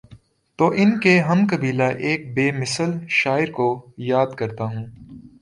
تو ان کے ہم قبیلہ ایک بے مثل شاعرکو یا دکرتا ہوں۔